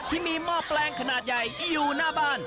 หม้อแปลงขนาดใหญ่อยู่หน้าบ้าน